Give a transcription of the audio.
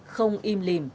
không im lìm